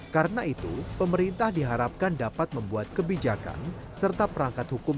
karena itu pemerintah diharapkan dapat membuat kebijakan serta perangkat hukum